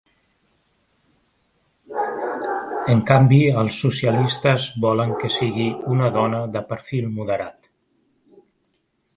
En canvi, els socialistes volen que sigui una dona de perfil moderat.